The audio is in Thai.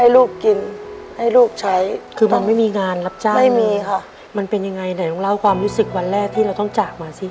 แล้วดูบอกแบบนี้ลูกว่าไง